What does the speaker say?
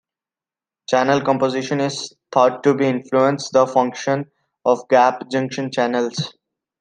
Channel composition is thought to influence the function of gap junction channels.